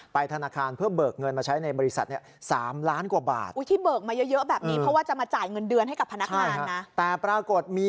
ธนาคารเพื่อเบิกเงินมาใช้ในบริษัทเนี่ย๓ล้านกว่าบาท